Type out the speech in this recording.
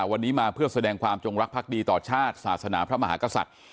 วันนี้มาเพื่อแสดงความจงรักภักดีต่อชาติศาสนาพระมหากษัตริย์